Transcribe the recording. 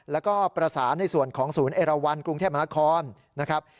แล้วก็ประสานในส่วนของศูนย์เอราวันกรุงเทพมนาคอนนะครับ